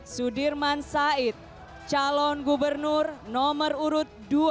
sudirman said calon gubernur nomor urut dua